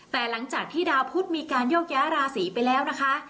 แต่หลังจากที่ดาวพุทธมีการโยกย้ายราศีไปแล้วนะคะ